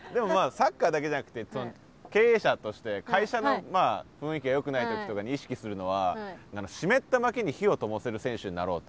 サッカーだけじゃなくて経営者として会社の雰囲気がよくない時とかに意識するのは湿った薪に火を灯せる選手になろうと。